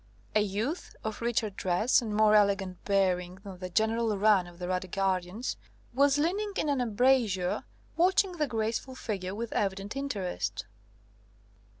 A youth, of richer dress and more elegant bearing than the general run of the Radegundians, was leaning in an embrasure, watching the graceful figure with evident interest.